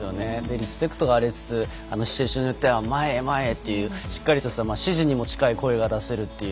リスペクトがありつつシチュエーションによっては前へ前へというしっかりとした指示にも近い声が出せるっていう